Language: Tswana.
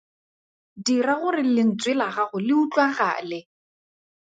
Dira gore lentswe la gago le utlwagale!